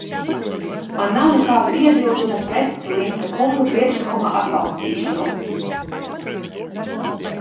Man nav nekādu iebildumu pret Cilinska kunga priekšlikuma atbalstīšanu.